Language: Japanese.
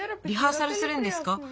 リハーサルするんですか？